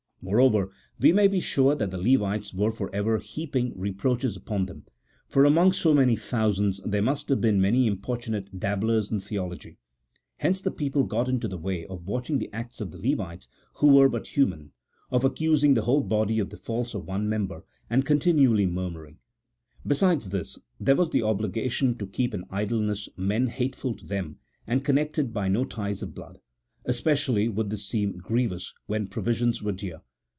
Moreover, we may be sure that the Levites were for ever heaping re proaches upon them : for among so many thousands there must have been many importunate dabblers in theology. Hence the people got into the way of watching the acts of the Levites, who were but human ; of accusing the whole body of the faults of one member, and continually murmuring. Besides this, there was the obligation to keep in idleness men hateful to them, and connected by no ties of blood. Especially would this seem grievous when provisions were dear.